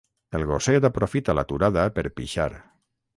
El gosset aprofita l'aturada per pixar.